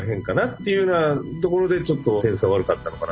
というふうなところでちょっと点数は悪かったのかな。